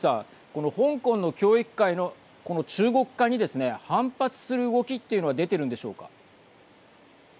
この香港の教育界のこの中国化にですね反発する動きというのは出てるんでしょうか。